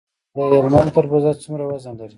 د هلمند تربوز څومره وزن لري؟